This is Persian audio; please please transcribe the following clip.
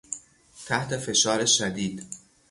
تحت فشار شدید